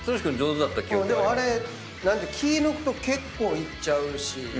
でもあれ気ぃ抜くと結構いっちゃうし。